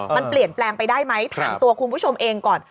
มันเปลี่ยนแปลงไปได้ไหมถามตัวคุณผู้ชมเองก่อน